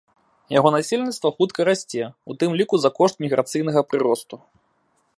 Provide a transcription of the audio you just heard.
Яго насельніцтва хутка расце, у тым ліку за кошт міграцыйнага прыросту.